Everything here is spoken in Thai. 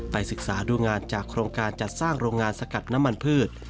ศึกษาดูงานจากโครงการจัดสร้างโรงงานสกัดน้ำมันพืช